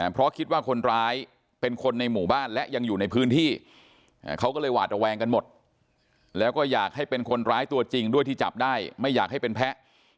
เพราะคิดว่าคนร้ายเป็นคนในหมู่บ้านและยังอยู่ในพื้นที่เขาก็เลยหวาดระแวงกันหมดแล้วก็อยากให้เป็นคนร้ายตัวจริงด้วยที่จับได้ไม่อยากให้เป็นแพ้